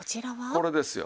これですよ。